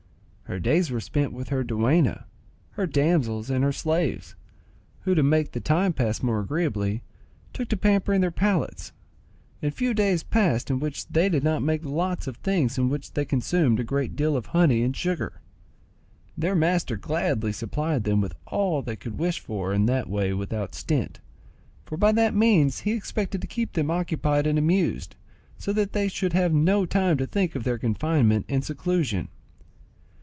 Her days were spent with her dueña, her damsels, and her slaves, who, to make the time pass more agreeably, took to pampering their palates, and few days passed in which they did not make lots of things in which they consumed a great deal of honey and sugar. Their master gladly supplied them with all they could wish for in that way without stint, for by that means he expected to keep them occupied and amused, so that they should have no time to think of their confinement and seclusion.